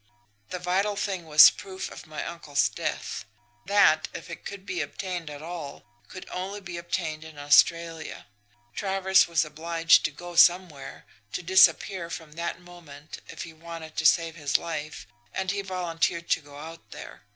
"The vital thing was proof of my uncle's death. That, if it could be obtained at all, could only be obtained in Australia. Travers was obliged to go somewhere, to disappear from that moment if he wanted to save his life, and he volunteered to go out there.